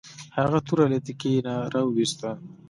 هغه توره له تیکي نه راویوسته.